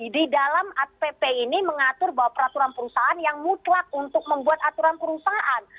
di dalam pp ini mengatur bahwa peraturan perusahaan yang mutlak untuk membuat aturan perusahaan